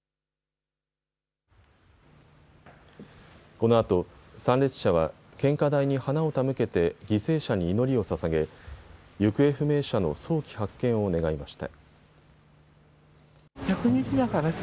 このあと参列者は献花台に花を手向けて犠牲者に祈りをささげ行方不明者の早期発見を願いました。